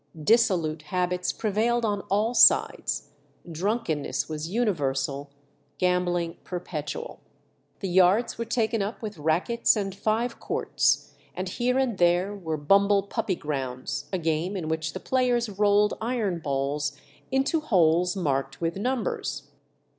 Dissolute habits prevailed on all sides; drunkenness was universal, gambling perpetual. The yards were taken up with rackets and five courts, and here and there were "bumble puppy grounds," a game in which the players rolled iron balls into holes marked with numbers.